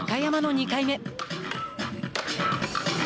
中山の２回目。